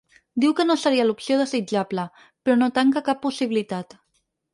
Diu que no seria l’opció desitjable, però no tanca cap possibilitat.